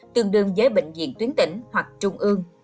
tương đương với bệnh viện tuyến tỉnh hoặc trung ương